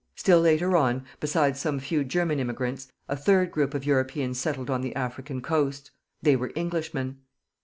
Still later on, besides some few German immigrants, a third group of Europeans settled on the African coast. They were Englishmen.